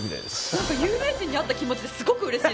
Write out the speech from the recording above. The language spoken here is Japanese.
なんか有名人に会った気持ちですごく嬉しいです。